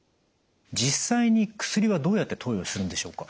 実際に薬はどうやって投与するんでしょうか？